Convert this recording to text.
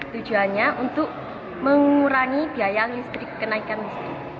tujuannya untuk mengurangi biaya listrik kenaikan listrik